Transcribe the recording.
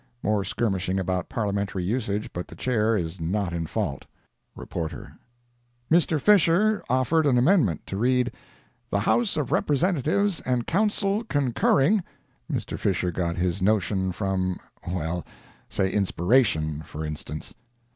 [More skirmishing about parliamentary usage but the Chair is not in fault.—REPORTER.] Mr. Fisher offered an amendment, to read "the House of Representatives and Council concurring." [Mr. Fisher got his notion from—well—say inspiration, for instance.